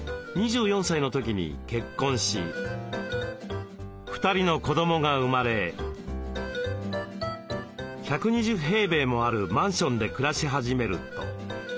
２４歳の時に結婚し２人の子どもが生まれ１２０平米もあるマンションで暮らし始めると。